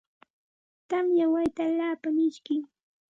Tamya wayta alaapa mishkim.